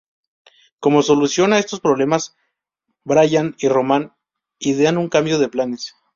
Como solución a estos problemas, Brian y Roman idean un cambio de planes.